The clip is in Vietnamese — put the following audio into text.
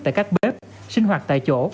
tại các bếp sinh hoạt tại chỗ